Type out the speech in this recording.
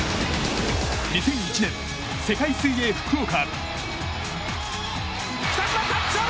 ２００１年、世界水泳福岡。